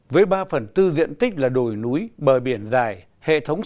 với ba phần tư diện tích là đồi núi bờ biển dài hệ thống